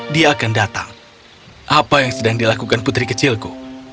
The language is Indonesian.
dia akan datang apa yang sedang dilakukan putri kecilku